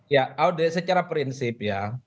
ya audit secara prinsip ya